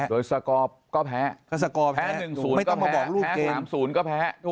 โดยสกอร์ก็แพ้แพ้๑๐ก็แพ้แพ้๓๐ก็แพ้ถูกครับ